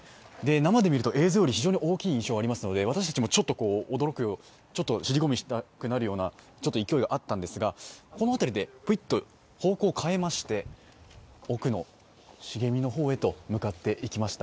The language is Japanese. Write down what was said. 生で見ると映像より非常に大きい印象がありますので、私たちもちょっと驚き尻込みしたくなるような勢いがあったんですが、この辺りでぷいっと方向を変えまして、奥の茂みの方へと向かっていきました。